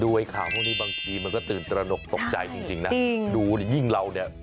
ไอ้ข่าวพวกนี้บางทีมันก็ตื่นตระหนกตกใจจริงนะดูยิ่งเราเนี่ย